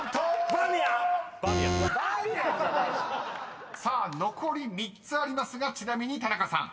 「バーミヤン」⁉［さあ残り３つありますがちなみに田中さん］